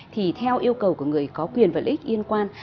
thì theo yêu cầu của người có quyền và lý ích yên quan